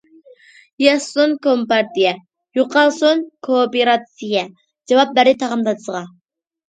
- ياشىسۇن كومپارتىيە، يوقالسۇن كوپىراتسىيە!- جاۋاب بەردى تاغام دادىسىغا.